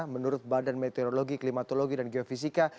menurut badan meteorologi klimatologi dan geofisika